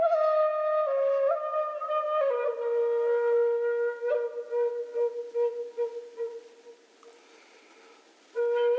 สวัสดีครับ